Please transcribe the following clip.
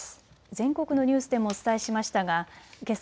全国のニュースでもお伝えしましたがけさ